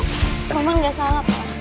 memang gak salah pak